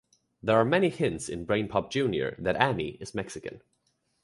There are many hints in BrainPop Junior that Annie is Mexican.